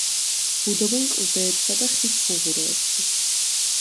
ბუდობენ კლდეებსა და ხის ფუღუროებში.